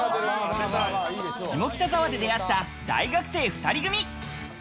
下北沢で出会った大学生２人組。